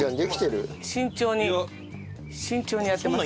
慎重に慎重にやってます。